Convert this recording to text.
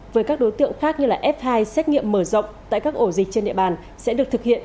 với các đối tượng khác như f hai xét nghiệm mở rộng tại các ổ dịch trên địa bàn sẽ được thực hiện